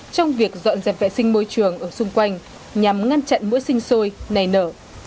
trong việc dọn dẹp vệ sinh môi trường ở xung quanh nhằm ngăn chặn mũi sinh sôi này nở